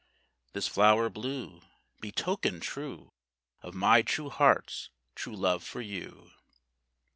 This flower blue Be token true Of my true heart's true love for you!"